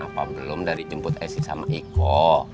apa belum dari jemput ese sama iko